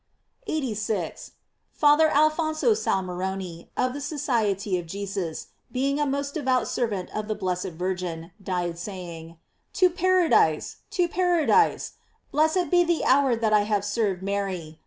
* 86. — Father Alphonso Salmerone, of the So ciety of Jesus, being a most devout servant of the blessed Virgin, died saying : "To*pardise, to paradise; blessed be the hour that I have served Mary